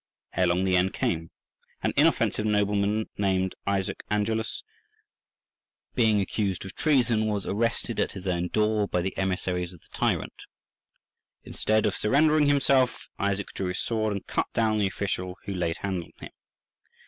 Ere long the end came. An inoffensive nobleman named Isaac Angelus, being accused of treason, was arrested at his own door by the emissaries of the tyrant. Instead of surrendering himself, Isaac drew his sword and cut down the official who laid hands on him.